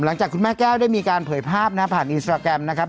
หลังจากคุณแม่แก้วได้มีการเผยภาพนะผ่านอินสตราแกรมนะครับ